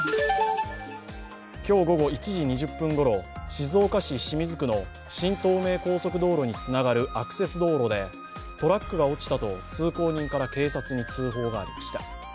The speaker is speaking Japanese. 今日午後１時２０分頃、静岡市清水区の新東名高速道路につながるアクセス道路でトラックが落ちたと通行人から警察に通報がありました。